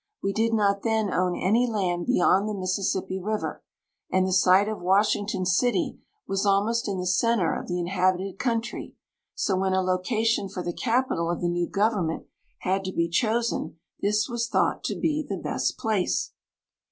We did not then own any land beyond the Mississippi River, and the site of Washington city was al most in the center of the inhabited country ; so when a location for the capital of the new government had to be chosen, this was thought to be the best place.